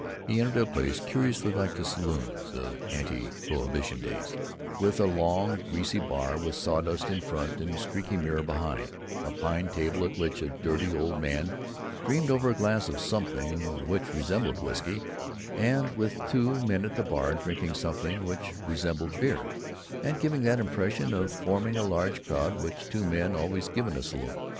He entered a place curiously like the saloons of ante prohibition days, with a long greasy bar with sawdust in front and streaky mirror behind, a pine table at which a dirty old man dreamed over a glass of something which resembled whisky, and with two men at the bar, drinking something which resembled beer, and giving that impression of forming a large crowd which two men always give in a saloon.